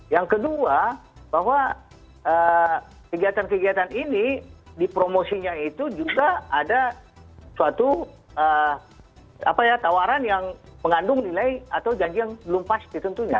yang kedua bahwa kegiatan kegiatan ini di promosinya itu juga ada suatu tawaran yang mengandung nilai atau janji yang belum pasti tentunya